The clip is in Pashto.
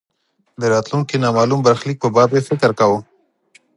د راتلونکې نامالوم برخلیک په باب یې فکر کاوه.